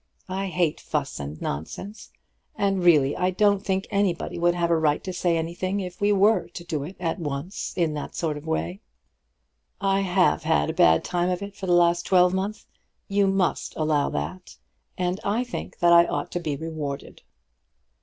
I hate fuss and nonsense, and really I don't think anybody would have a right to say anything if we were to do it at once in that sort of way. I have had a bad time of it for the last twelvemonth. You must allow that, and I think that I ought to be rewarded.